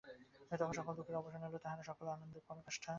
তখন সকল দুঃখের অবসান হইল, তাঁহারা সকলে আনন্দের পরাকাষ্ঠা লাভ করিলেন।